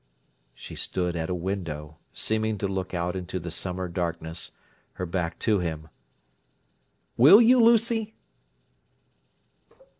She stood at a window, seeming to look out into the summer darkness, her back to him. "Will you, Lucy?"